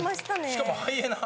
しかもハイエナ？